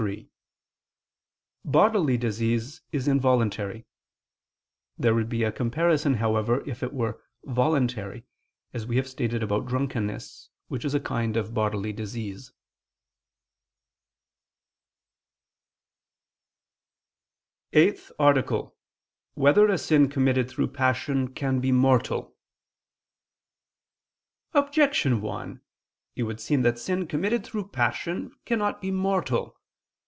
3: Bodily disease is involuntary: there would be a comparison, however, if it were voluntary, as we have stated about drunkenness, which is a kind of bodily disease. ________________________ EIGHTH ARTICLE [I II, Q. 77, Art. 8] Whether a Sin Committed Through Passion Can Be Mortal? Objection 1: It would seem that sin committed through passion cannot be mortal.